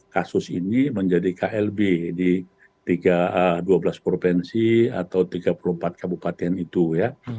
kasus ini menjadi klb di dua belas provinsi atau tiga puluh empat kabupaten itu ya